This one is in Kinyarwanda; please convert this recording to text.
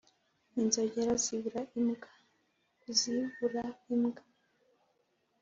inzogera zibura imbwa (kuzibura imbwa)